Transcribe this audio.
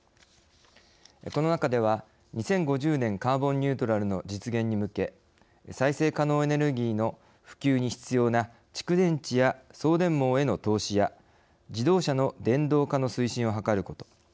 この中では、２０５０年カーボンニュートラルの実現に向け再生可能エネルギーの普及に必要な蓄電池や送電網への投資や自動車の電動化の推進を図ること。